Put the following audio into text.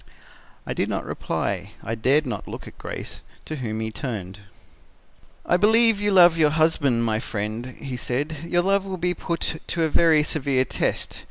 "I did not reply. I dared not look at Grace, to whom he turned. "'I believe you love your husband, my friend,' he said; 'your love will be put to a very severe test.